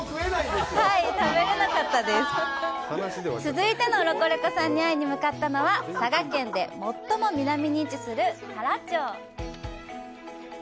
続いてのロコレコさんに会いに向かったのは、佐賀県で最も南に位置する太良町。